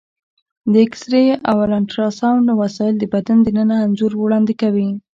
د ایکسرې او الټراساونډ وسایل د بدن دننه انځور وړاندې کوي.